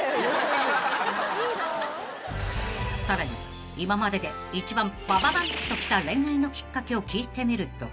［さらに今までで一番バババンっときた恋愛のきっかけを聞いてみると］